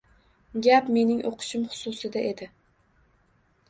Gap mening o'qishim xususida edi